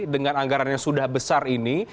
dengan anggarannya sudah besar ini